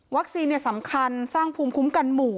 วัคซีนเนี่ยสำคัญสร้างภูมิคุ้มกันหมู่